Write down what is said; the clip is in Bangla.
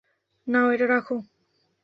নাও এটা রাখো।